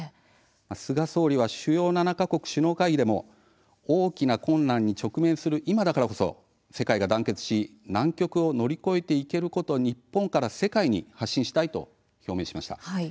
菅総理は主要７か国首脳会議でも大きな困難に直面する今だからこそ世界が団結し難局を乗り越えていけることを日本から世界に発信したいと表明しました。